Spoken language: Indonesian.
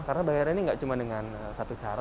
karena bayarnya ini tidak cuma dengan satu cara